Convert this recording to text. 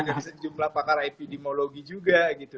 ada yang bilang ada sejumlah pakar epidemiologi juga gitu